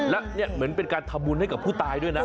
และนี่เหมือนเป็นการทำบุญให้กับผู้ตายด้วยนะ